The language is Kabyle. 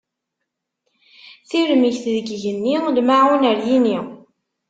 Tirmegt deg igenni, lmaɛun ar yini.